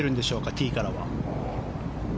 ティーからは。